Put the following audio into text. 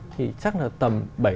thì chắc là tầm bảy tám